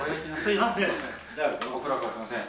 すみません。